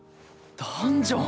ダンジョン！